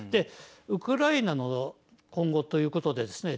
ウクライナの今後ということでですね